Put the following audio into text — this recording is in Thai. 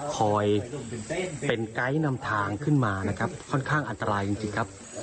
คอยเป็นไกด์นำทางขึ้นมานะครับค่อนข้างอันตรายจริงครับ